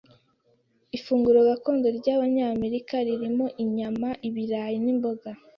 Ifunguro gakondo ryabanyamerika ririmo inyama, ibirayi nimboga